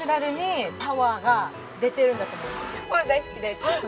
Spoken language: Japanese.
大好きです。